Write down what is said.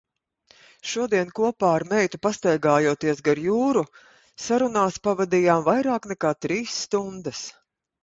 Šodien kopā ar meitu pastaigājoties gar jūru, sarunās pavadījām vairāk nekā trīs stundas.